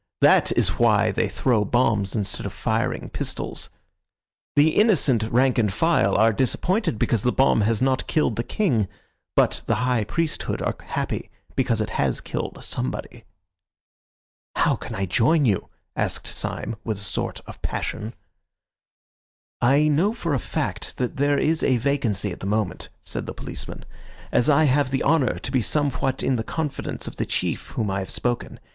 That is why they throw bombs instead of firing pistols. The innocent rank and file are disappointed because the bomb has not killed the king; but the high priesthood are happy because it has killed somebody." "How can I join you?" asked Syme, with a sort of passion. "I know for a fact that there is a vacancy at the moment," said the policeman, "as I have the honour to be somewhat in the confidence of the chief of whom I have spoken.